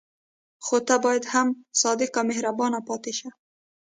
خو ته بیا هم صادق او مهربان پاتې شه.